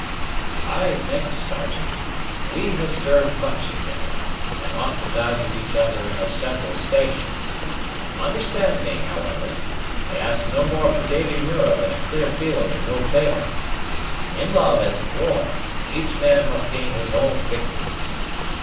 "I thank you, Sergeant. We have served much together, and ought to value each other in our several stations. Understand me, however, I ask no more for Davy Muir than a clear field and no favor. In love, as in war, each man must gain his own victories.